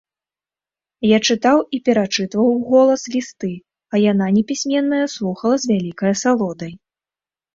Я чытаў і перачытваў уголас лісты, а яна, непісьменная, слухала з вялікай асалодай.